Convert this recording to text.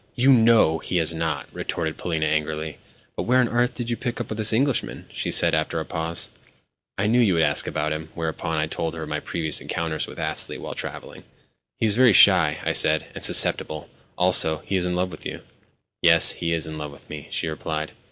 "You know he has not," retorted Polina angrily. "But where on earth did you pick up this Englishman?" She said this after a pause. "I knew you would ask about him!" Whereupon I told her of my previous encounters with Astley while travelling. "He is very shy," I said, "and susceptible. Also, he is in love with you." "Yes, he is in love with me," she replied.